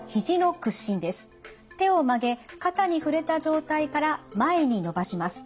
手を曲げ肩に触れた状態から前に伸ばします。